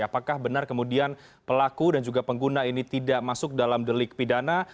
apakah benar kemudian pelaku dan juga pengguna ini tidak masuk dalam delik pidana